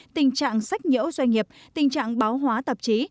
tình trạng sách nhũ doanh nghiệp tình trạng báo hóa tạp chí